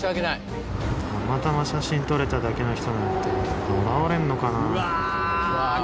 たまたま写真撮れただけの人なんて現れるのかな？